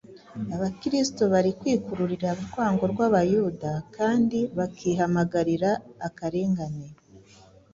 Abakristo bari kwikururira urwango rw’Abayahudi kandi bakihamagarira akarengane.